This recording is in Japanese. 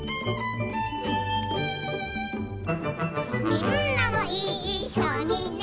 「みんなもいっしょにね」